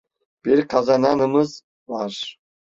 Bir kazananımız var.